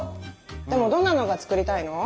でもどんなのが作りたいの？